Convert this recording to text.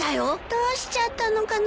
どうしちゃったのかな。